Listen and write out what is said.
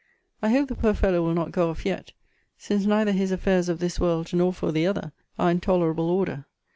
I hope the poor fellow will not go off yet; since neither his affairs of this world, nor for the other, are in tolerable order.